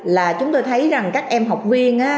là chúng tôi thấy rằng các em học viên